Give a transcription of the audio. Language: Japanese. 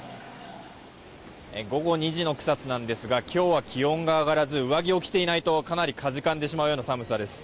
午後２時の草津なんですが今日は気温が上がらず上着を着ていないとかなり、かじかんでしまうような寒さです。